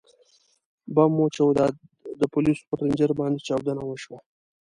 ـ بم وچاودېد، د پولیسو پر رینجر باندې چاودنه وشوه.